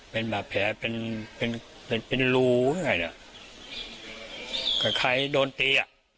เป็นแบบแผลเป็นรูคล้ายโดนตี